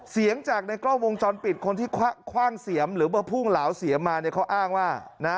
เสียงจากในกล้องวงจรปิดคนที่คว่างเสียมหรือเบอร์พุ่งเหลาเสียมมาเนี่ยเขาอ้างว่านะ